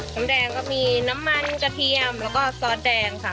น้ำแดงก็มีน้ำมันกระเทียมแล้วก็ซอสแดงค่ะ